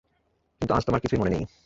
কিন্তু আজ তোমার কিছুই মনে নেই।